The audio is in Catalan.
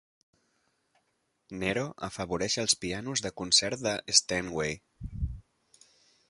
Nero afavoreix els pianos de concert de Steinway.